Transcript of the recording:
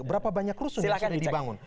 berapa banyak rusun yang sudah dibangun